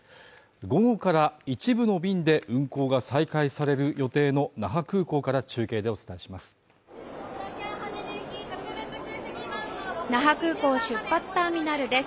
午後から一部の便で運航が再開される予定の那覇空港から中継でお伝えします那覇空港出発ターミナルです